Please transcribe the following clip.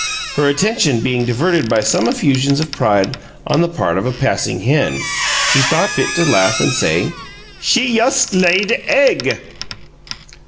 Her attention being diverted by some effusions of pride on the part of a passing hen, she thought fit to laugh and say: "She yust laid egg."